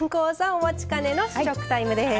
お待ちかねの試食タイムです。